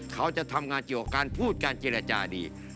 เขาจะทำงานเกี่ยวกับการพูดการเจรจาดี